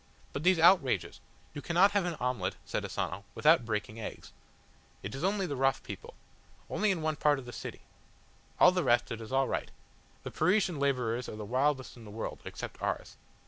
"But these outrages!" "You cannot have an omelette," said Asano, "without breaking eggs. It is only the rough people. Only in one part of the city. All the rest is all right. The Parisian labourers are the wildest in the world, except ours."